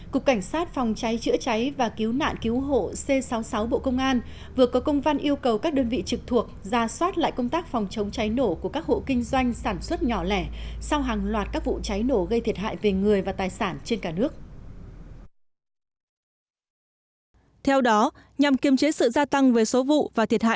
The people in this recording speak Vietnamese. cục cảnh sát phòng cháy chữa cháy và cứu nạn cứu hộ c sáu mươi sáu bộ công an vừa có công văn yêu cầu các đơn vị trực thuộc ra soát lại công tác phòng chống cháy nổ của các hộ kinh doanh sản xuất nhỏ lẻ sau hàng loạt các vụ cháy nổ gây thiệt hại về người và người